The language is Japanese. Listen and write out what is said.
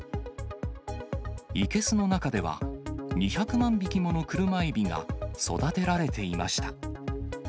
生けすの中では、２００万匹もの車エビが育てられていました。